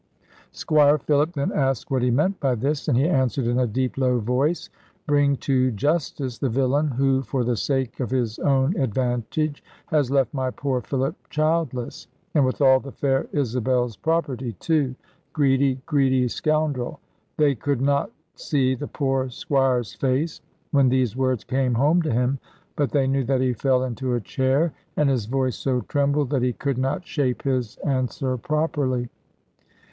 Squire Philip then asked what he meant by this; and he answered in a deep, low voice, "Bring to justice the villain who, for the sake of his own advantage, has left my poor Philip childless: and with all the fair Isabel's property too! Greedy, greedy scoundrel!" They could not see the poor Squire's face, when these words came home to him; but they knew that he fell into a chair, and his voice so trembled that he could not shape his answer properly.